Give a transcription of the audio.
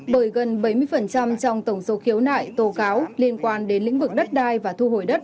bởi gần bảy mươi trong tổng số khiếu nại tố cáo liên quan đến lĩnh vực đất đai và thu hồi đất